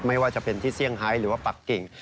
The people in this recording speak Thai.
ไม่ว่าจะเป็นที่เซี่ยหรือว่าปักกิ่ง